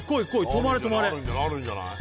止まれ止まれあるんじゃない？